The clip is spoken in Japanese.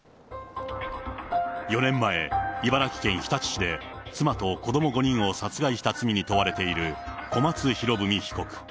４年前、茨城県日立市で、妻と子ども５人を殺害した罪に問われている、小松博文被告。